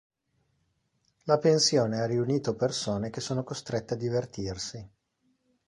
La pensione ha riunito persone che sono costrette a divertirsi.